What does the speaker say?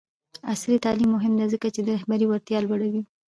عصري تعلیم مهم دی ځکه چې د رهبرۍ وړتیا لوړوي.